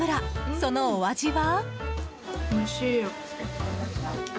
そのお味は？